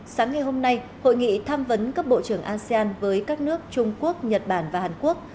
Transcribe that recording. sáng ngày hôm nay hội nghị tham vấn cấp bộ trưởng asean với các nước trung quốc nhật bản và hàn quốc